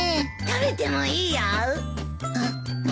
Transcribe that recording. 食べてもいいよ。